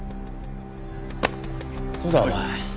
そうだお前。